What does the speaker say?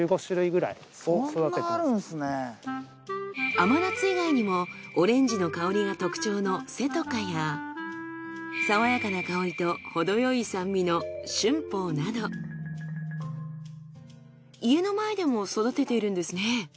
甘夏以外にもオレンジの香りが特徴のせとかや爽やかな香りと程よい酸味の春峰など家の前でも育てているんですね。